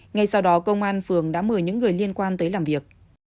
ngay sau đó công an phường đã mời những người liên quan tới làm việc